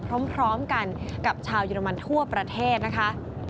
พร้อมกันกับชาวเยอรมันทั่วประเทศนะคะ